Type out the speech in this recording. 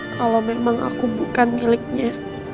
kalau memang aku bukan miliknya